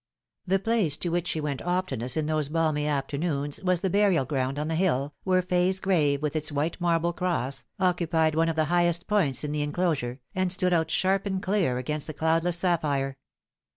The place to which she went oftenest in those balmy after noons was the burial ground on the hill, where Fay's grave, with its white marble cross, occupied one of the highest points in the enclosure, and stood out sharp and clear against the cloudless sapphire.